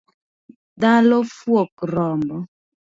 Dhalo fuok rombo